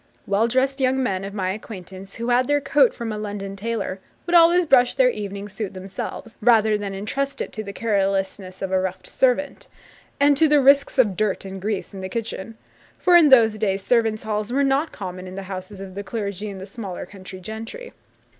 Well dressed young men of my acquaintance, who had their coat from a London tailor, would always brush their evening suit themselves, rather than entrust it to the carelessness of a rough servant, and to the risks of dirt and grease in the kitchen; for in those days servants' halls were not common in the houses of the clergy and the smaller country gentry.